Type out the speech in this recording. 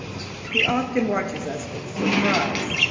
He often watches us with surprise.